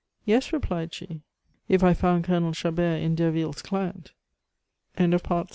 "Yes," replied she, "if I found Colonel Chabert in Derville's client." The appearance o